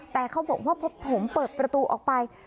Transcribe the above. แต่เขาบอกว่าพอผมเปิดประตูออกไป